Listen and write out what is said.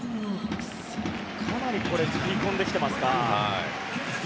かなり食い込んできています。